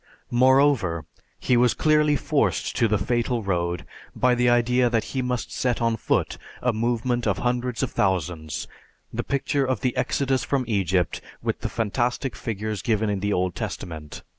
Moreover, he was clearly forced to the fatal road by the idea that he must set on foot a movement of hundreds of thousands, the picture of the exodus from Egypt with the fantastic figures given in the Old Testament.